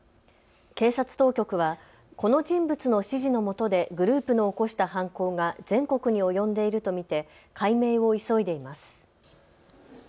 警察当局はこの人物の指示のもとでグループの起こした犯行が全国に及んでいると見て解明を急いでいます。